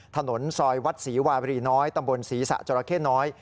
ถนนซอยวัดศรีวารีน้อยตำบลศรีษะจราเข้น้อย